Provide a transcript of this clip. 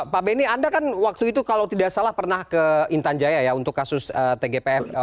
pak benny anda kan waktu itu kalau tidak salah pernah ke intan jaya ya untuk kasus tgpf